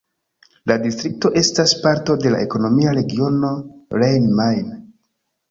La distrikto estas parto de la ekonomia regiono Rhein-Main.